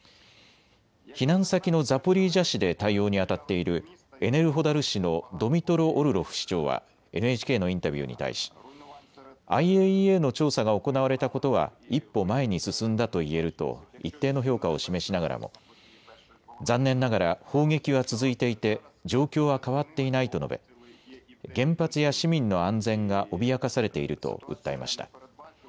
避難先のザポリージャ市で対応にあたっているエネルホダル市のドミトロ・オルロフ市長はＮＨＫのインタビューに対し、ＩＡＥＡの調査が行われたことは一歩前に進んだと言えると一定の評価を示しながらも残念ながら砲撃は続いていて状況は変わっていないと述べ、原発や市民の安全が脅かされていると訴えました。